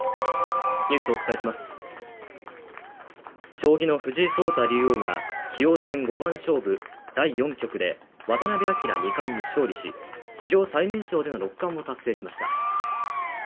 将棋の藤井聡太竜王が、棋王戦五番勝負第４局で渡辺明二冠に勝利し、史上最年少での六冠を達成しました。